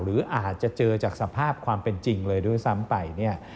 หรืออาจจะเจอจากสภาพความเป็นจริงเลยด้วยซ้ำไปเนี่ย